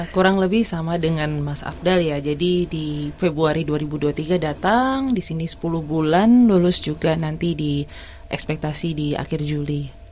kurang lebih sama dengan mas afdal ya jadi di februari dua ribu dua puluh tiga datang di sini sepuluh bulan lulus juga nanti di ekspektasi di akhir juli